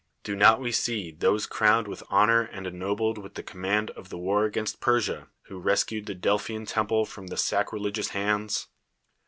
Do not we see those crowned with honor ! and ennobled with the command of the war against Persia who rescued the Delphian lemple from sacrilegious liands?